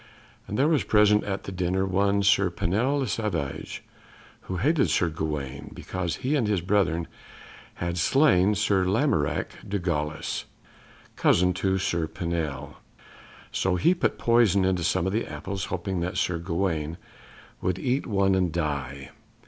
And there was present at the dinner one Sir Pinel le Savage, who hated Sir Gawaine because he and his brethren had slain Sir Lamorak du Galis, cousin to Sir Pinel; so he put poison into some of the apples, hoping that Sir Gawaine would eat one and die.